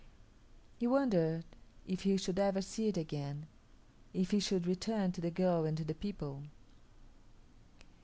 He wondered if he should ever see it again; if he should return to the girl and to the people.